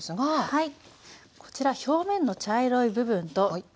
はい。